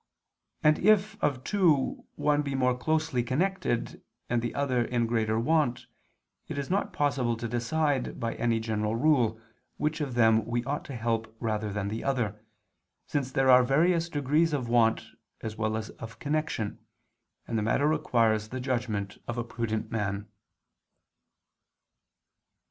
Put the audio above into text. And if of two, one be more closely connected, and the other in greater want, it is not possible to decide, by any general rule, which of them we ought to help rather than the other, since there are various degrees of want as well as of connection: and the matter requires the judgment of a prudent man.